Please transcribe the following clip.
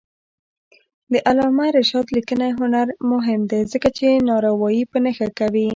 د علامه رشاد لیکنی هنر مهم دی ځکه چې ناروايي په نښه کوي.